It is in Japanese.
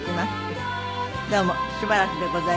どうもしばらくでございます。